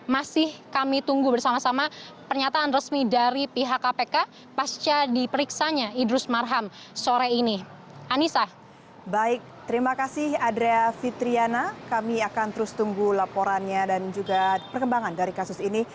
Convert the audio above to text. masih kami tunggu bersama sama pernyataan resmi